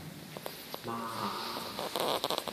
媽呀